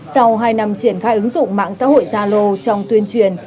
sau hai năm triển khai ứng dụng mạng xã hội gia lô trong tuyên truyền